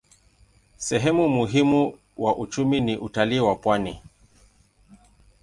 Sehemu muhimu wa uchumi ni utalii ya pwani.